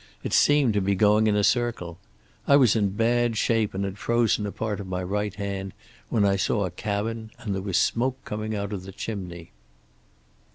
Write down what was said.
It seemed to be going in a circle. I was in bad shape and had frozen a part of my right hand, when I saw a cabin, and there was smoke coming out of the chimney."